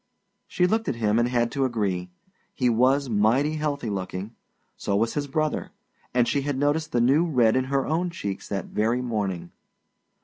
She looked at him and had to agree. He was mighty healthy looking; so was his brother. And she had noticed the new red in her own cheeks that very morning.